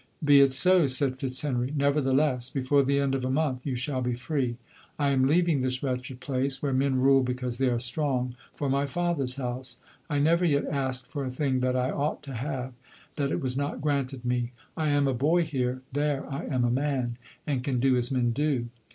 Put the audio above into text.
1 '" Be it so," said Fitzhenry; " nevertheless, before the end of a month, you shall be free. I am leaving this wretched place, where men rule because they are strong, for my father's house. I never yet asked for a thing that I ought to have, that it was not granted me. I am a boy here, there I am a man — and can do as men do.